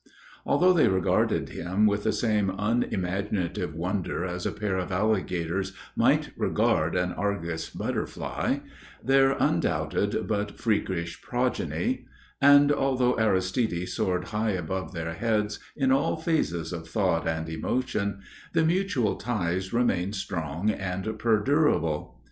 Although they regarded him with the same unimaginative wonder as a pair of alligators might regard an Argus butterfly, their undoubted but freakish progeny, and although Aristide soared high above their heads in all phases of thought and emotion, the mutual ties remained strong and perdurable.